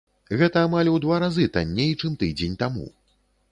Гэта амаль у два разы танней, чым тыдзень таму.